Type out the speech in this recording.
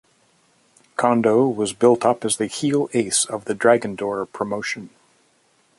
Kondo was built up as the heel ace of the Dragondoor promotion.